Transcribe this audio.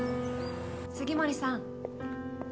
杉森さん。